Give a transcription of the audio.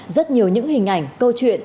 rất nhiều những hình ảnh câu chuyện